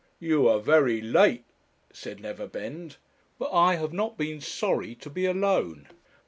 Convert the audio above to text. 'You are very late,' said Neverbend, 'but I have not been sorry to be alone.